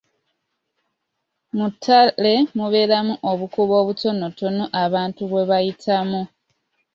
Mu ttale mubeeramu obukubo obutonotono abantu bwe bayitamu.